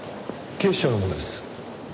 警視庁の者です。